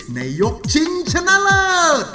ในยกชิงชนะเลิศ